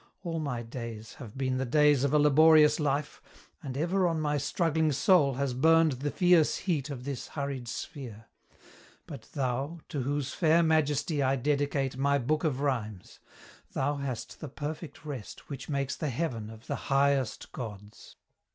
All my days Have been the days of a laborious life, And ever on my struggling soul has burned The fierce heat of this hurried sphere. But thou, To whose fair majesty I dedicate My book of rhymes thou hast the perfect rest Which makes the heaven of the highest gods!